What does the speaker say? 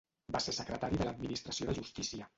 Va ser Secretari de l'Administració de Justícia.